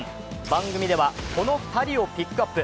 番組では、この２人をピックアップ。